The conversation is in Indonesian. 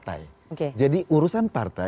saya bukan orang partai